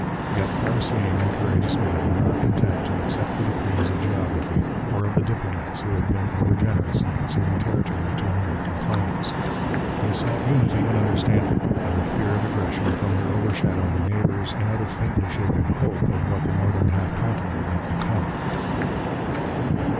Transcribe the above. Yet far seeing and courageous men were not content to accept the decrees of geography or of the diplomats who had been over generous in conceding territory to American claims. They sought unity and understanding, out of fear of aggression from their overshadowing neighbours and out of faintly shaping hope of what the northern half continent might become.